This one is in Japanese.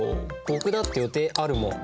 僕だって予定あるもん。